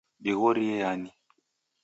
dighorie yani